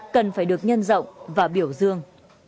cần phải được nhân rộng và biểu dương